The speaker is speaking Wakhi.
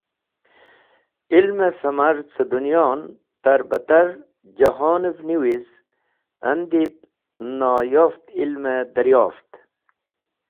Ilm sẽmar cẽ dẽnyon tẽrbat tẽr jehonẽv niwiz andib noyoft ilmẽ dẽryoft.